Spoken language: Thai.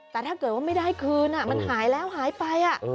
แต่ถ้าเกิดว่าไม่ได้คืนมันหายแล้วหายไป